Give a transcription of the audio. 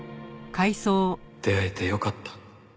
出会えてよかった。